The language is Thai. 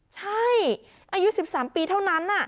ใช่อายุ๑๓ปีเท่านั้น